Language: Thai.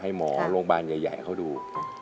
ให้หมอโรงพยาบาลใหญ่เขาดู